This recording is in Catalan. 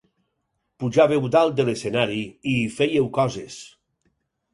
Pujàveu dalt de l'escenari i hi fèieu coses.